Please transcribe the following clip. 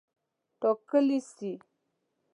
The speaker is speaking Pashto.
وټاکلي سي.